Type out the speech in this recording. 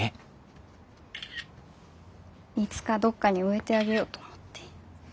いつかどっかに植えてあげようと思って。